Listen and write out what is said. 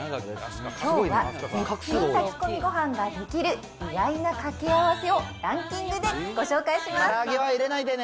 きょうは絶品炊き込みご飯ができる意外な掛け合わせをランキングでご紹介します。